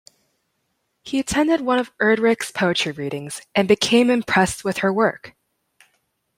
He attended one of Erdrich's poetry readings and became impressed with her work.